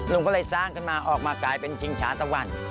ลุงก็เลยสร้างขึ้นมาออกมากลายเป็นชิงช้าสวรรค์